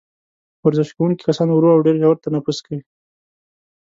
ورزش کوونکي کسان ورو او ډېر ژور تنفس کوي.